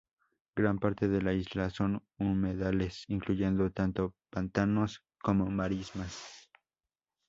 Gran parte de la isla son humedales, incluyendo tanto pantanos como marismas.